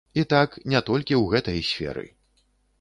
І так не толькі ў гэтай сферы.